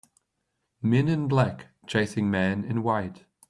Men in black chasing man in white.